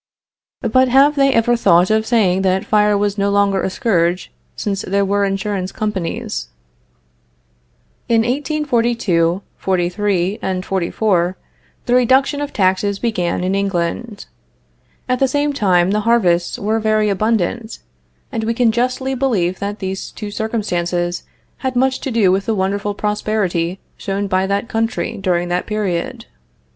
But have they ever thought of saying that fire was no longer a scourge, since there were insurance companies? In 1842, '43 and '44, the reduction of taxes began in England. At the same time the harvests were very abundant, and we can justly believe that these two circumstances had much to do with the wonderful prosperity shown by that country during that period.